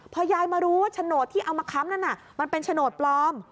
พอยายมารู้ว่าโฉนดที่เอามาค้ำนั้นมันเป็นโฉนดปลอม